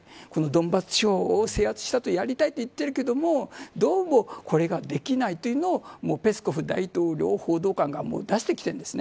ドンバス地方を制圧したとやりたいと言っているけれどもどうもこれができないというのをペスコフ大統領報道官が出してきてるんです。